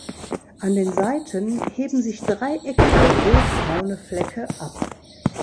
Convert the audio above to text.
An den Seiten heben sich dreieckige rotbraune Flecke ab.